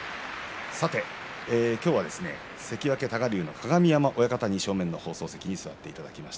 今日は関脇多賀竜の鏡山親方に正面の放送席に座っていただきました。